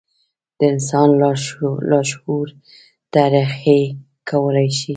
د انسان لاشعور ته رېښې کولای شي.